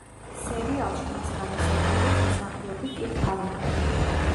სერიალში მას განასახიერებს მსახიობი კიტ ჰარინგტონი.